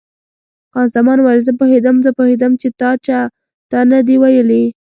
خان زمان وویل: زه پوهېدم، زه پوهېدم چې تا چا ته نه دي ویلي.